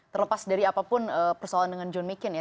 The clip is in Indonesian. terlepas dari apapun persoalan dengan john mccain ya